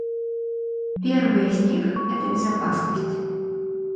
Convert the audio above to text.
Первый из них — это безопасность.